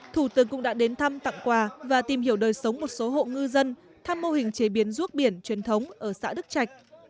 thủ tướng cũng đã đến thăm tặng quà và tìm hiểu đời sống một số hộ ngư dân thăm mô hình chế biến ruốc biển truyền thống ở xã đức trạch